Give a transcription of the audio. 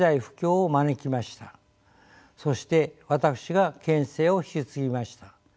そして私が県政を引き継ぎました。